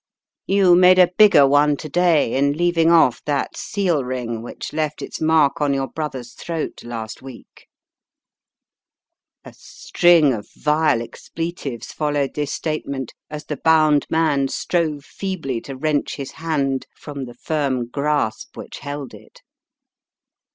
"You made a bigger one to day in leaving off that seal » Untwisting the Threads 273 ring which left its mark on your brother's throat last week." A string of vile expletives followed this statement as the bound man strove feebly to wrench his hand from the firm grasp which held it.